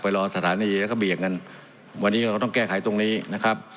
รอสถานีแล้วก็เบี่ยงกันวันนี้ก็ต้องแก้ไขตรงนี้นะครับ